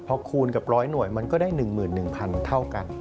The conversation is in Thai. พอคูณกับ๑๐๐หน่วยมันก็ได้๑๑๐๐๐เท่ากัน